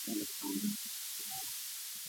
Tumia viazi vilivyo chemshwa na kupondwapondwa